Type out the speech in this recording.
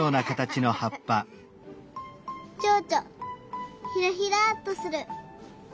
ちょうちょひらひらっとする。